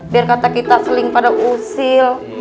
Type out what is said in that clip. biar kata kita seling pada usil